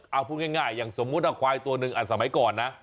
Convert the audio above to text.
เอาพูดง่ายอย่างสมมุติควายตัวหนึ่งสมัยก่อนนะ